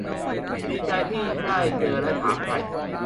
ดีใจที่ได้เจอ และถามไถ่